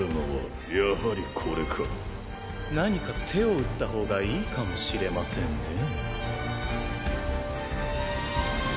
何か手を打ったほうがいいかもしれませんねえ。